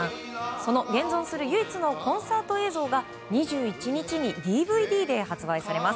その現存する唯一のコンサート映像が２１日にＤＶＤで発売されます。